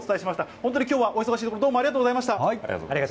本当にきょうはお忙しいところどうもありがとうございました。